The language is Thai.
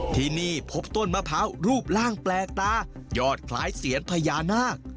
ที่นี่พบต้นมะพร้าวรูปร่างแปลกตายอดคล้ายเสียนพญานาค